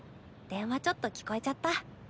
電話ちょっと聞こえちゃった。